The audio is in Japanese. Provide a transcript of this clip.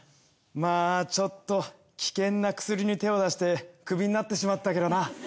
まあちょっと危険なクスリに手を出してクビになってしまったけどな。